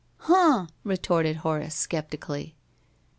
"Huh!" retorted Horace, sceptically.